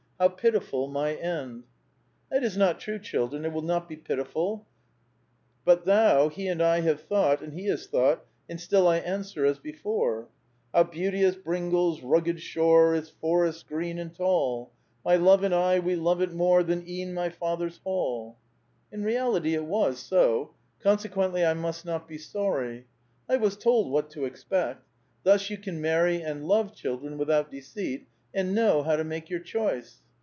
How pitiful my end 1 " That is not true, children ; it will not be pitif il. But then, he and I have thought, and he has thought, and still I answer as before :— How beauteous Bringal's rugged shore. Its forests green and tall ! My love and I, we love it more Than e*en my father's hall. A VITAL QUESTION. 469 In reality, it was so. Consequently, I must not be sorry. I was told what to expect. Thus you can nian'v and love, children, without deceit, and know how to make your choice.